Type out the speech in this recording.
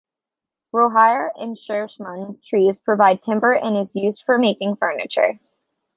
Rohira and shisham trees provide timber and is used for making furniture.